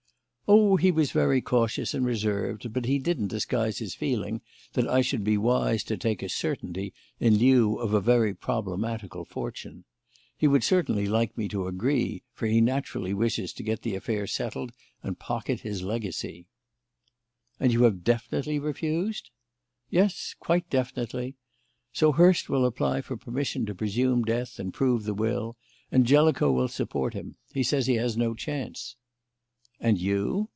"Oh, he was very cautious and reserved, but he didn't disguise his feeling that I should be wise to take a certainty in lieu of a very problematical fortune. He would certainly like me to agree, for he naturally wishes to get the affair settled and pocket his legacy." "And have you definitely refused?" "Yes; quite definitely. So Hurst will apply for permission to presume death and prove the will, and Jellicoe will support him; he says he has no choice." "And you?"